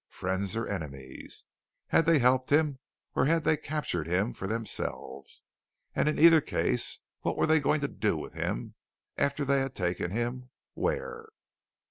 Friends or enemies? Had they helped him or had they captured him for themselves? And in either case, what were they going to do with him, after they had taken him where?